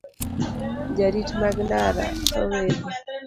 Jorit mag ndara, dho wedhe,